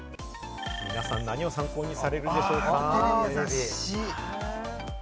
皆さん、何を参考にされるんでしょうか？